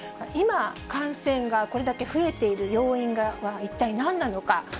今、感染がこれだけ増えている要因は一体なんなのか。